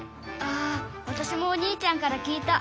あわたしもお兄ちゃんから聞いた。